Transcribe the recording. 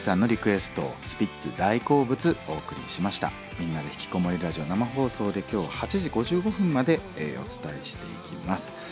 「みんなでひきこもりラジオ」生放送で今日８時５５分までお伝えしていきます。